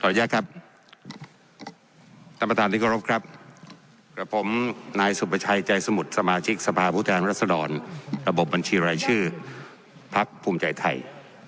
อนุญาตครับท่านประธานที่เคารพครับกับผมนายสุประชัยใจสมุทรสมาชิกสภาพุทธแทนรัศดรระบบบัญชีรายชื่อพักภูมิใจไทย